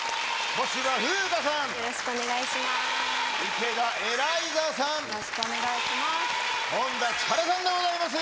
よろしくお願いします。